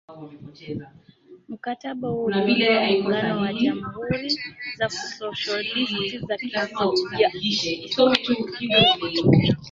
mkataba huo uliondoa muungano wa jamhuri za kisosholisti za kisovyeti